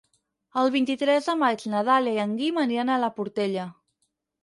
El vint-i-tres de maig na Dàlia i en Guim aniran a la Portella.